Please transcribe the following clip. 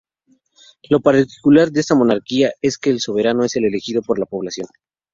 Lo particular de esta monarquía es que el soberano es elegido por la población.